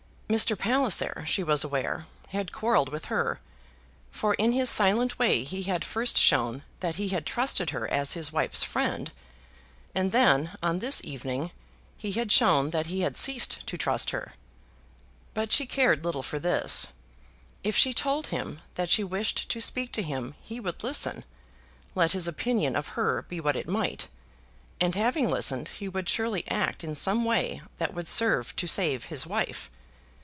Mr. Palliser, she was aware, had quarrelled with her; for in his silent way he had first shown that he had trusted her as his wife's friend; and then, on this evening, he had shown that he had ceased to trust her. But she cared little for this. If she told him that she wished to speak to him, he would listen, let his opinion of her be what it might; and having listened he would surely act in some way that would serve to save his wife.